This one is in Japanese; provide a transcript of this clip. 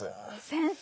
先生。